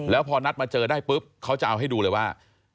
แล้วพอนัดมาเจอได้ปุ๊บเขาจะเอาให้ดูเลยว่า